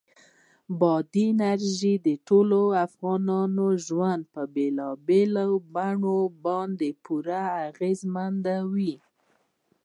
بادي انرژي د ټولو افغانانو ژوند په بېلابېلو بڼو باندې پوره اغېزمنوي.